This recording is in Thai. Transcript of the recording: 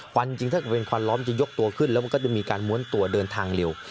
วันจริงถ้าเกิดเป็นควันล้อมจะยกตัวขึ้นแล้วมันก็จะมีการม้วนตัวเดินทางเร็ว